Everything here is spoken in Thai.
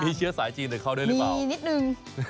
มีเชื้อสายจีนกับเขาด้วยหรือเปล่ามีนิดนึง